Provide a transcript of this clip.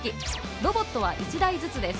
ロボットは１台ずつです。